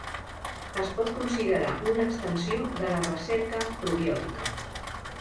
Es pot considerar una extensió de la recerca probiòtica.